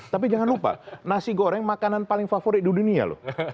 tapi jangan lupa nasi goreng makanan paling favorit di dunia loh